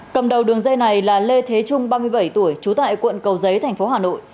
cầm đầu đường dây này là lê thế trung ba mươi bảy tuổi trú tại quận cầu giấy thành phố hà nội